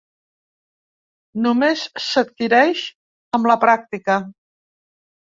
Només s’adquireix amb la pràctica!